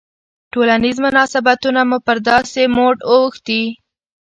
ټولنیز مناسبتونه مو پر داسې موډ اوښتي.